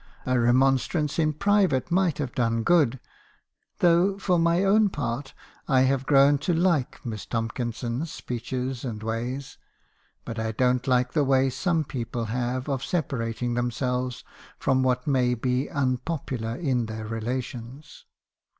A remonstrance in private might have done good, — though, for my own part, I have grown to like Miss Tomkinson's speeches and ways ; but I don't like the way some people have of separating themselves from what may be unpopular in their relations.